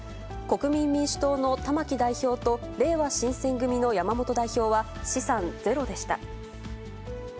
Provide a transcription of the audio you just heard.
国民民主党の玉木代表と、れいわ新選組の山本代表は資産ゼロでした。